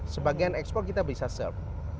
sebagian ekspor kita bisa serve